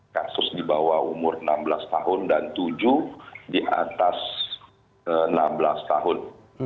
kasus di bawah umur enam belas tahun dan tujuh di atas enam belas tahun